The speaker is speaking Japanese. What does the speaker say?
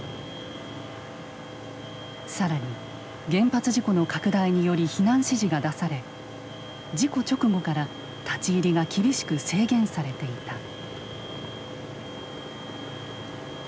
更に原発事故の拡大により避難指示が出され事故直後から立ち入りが厳しく制限されていた。